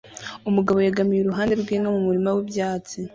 Umugabo yegamiye iruhande rw'inka mu murima w'ibyatsi